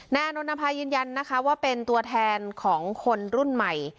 อานนทภายืนยันนะคะว่าเป็นตัวแทนของคนรุ่นใหม่